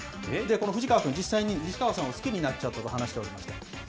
藤川君、実際に西川さんを好きになっちゃったと話しておりました。